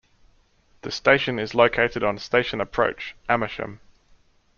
The station is located on Station Approach, Amersham.